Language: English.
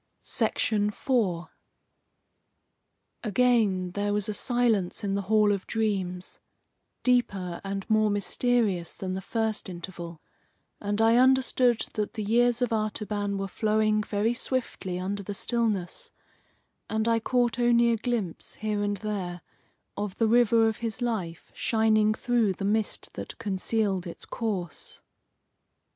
IV Again there was a silence in the Hall of Dreams, deeper and more mysterious than the first interval, and I understood that the years of Artaban were flowing very swiftly under the stillness, and I caught only a glimpse, here and there, of the river of his life shining through the mist that concealed its course.